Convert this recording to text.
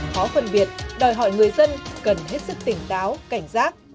khó phân biệt đòi hỏi người dân cần hết sức tỉnh táo cảnh giác